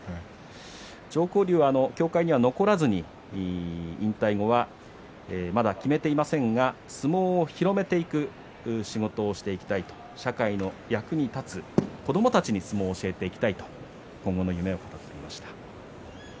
常幸龍は協会には残らずに引退後はまだ決めていませんが相撲を広めていく仕事をしていきたいと社会に役立つ子どもたちに相撲を教えていきたいと将来の夢を語っていました。